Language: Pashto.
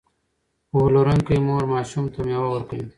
پوهه لرونکې مور ماشوم ته مېوه ورکوي.